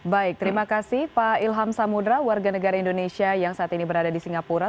baik terima kasih pak ilham samudera warga negara indonesia yang saat ini berada di singapura